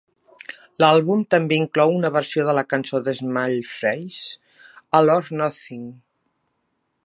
L'àlbum també inclou una versió de la cançó de Small Faces "All or Nothing".